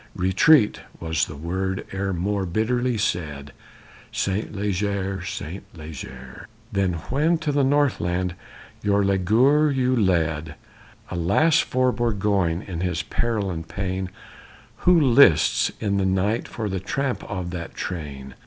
Retreat! Was the word e'er more bitterly said, Saint Leger, Saint Leger, Than when to the North land your leaguer you led? Alas, for Burgoyne in his peril and pain Who lists in the night for the tramp of that train!